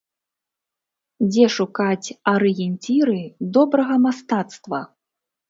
Дзе шукаць арыенціры добрага мастацтва?